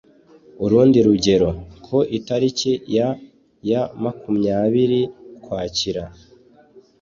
urundi rugero: ku itariki ya yamakumyabiri ukwakira